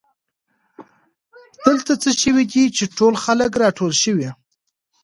دلته څه شوي دي چې ټول خلک راټول شوي